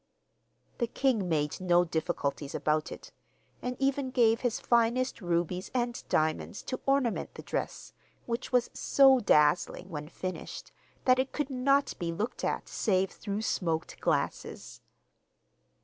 The king made no difficulties about it, and even gave his finest rubies and diamonds to ornament the dress, which was so dazzling, when finished, that it could not be looked at save through smoked glasses!